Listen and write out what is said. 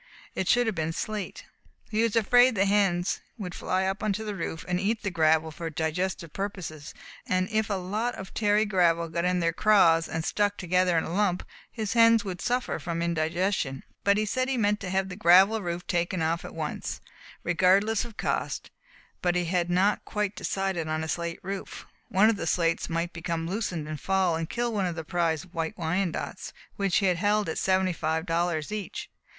It should have been slate. He was afraid the hens would fly up onto the roof and eat the gravel for digestive purposes, and if a lot of tarry gravel got in their craws and stuck together in a lump, his hens would suffer from indigestion. But he said he meant to have the gravel roof taken off at once, regardless of cost, but he had not quite decided on a slate roof. One of the slates might become loosened and fall and kill one of his prize White Wyandottes, which he held at seventy five dollars each.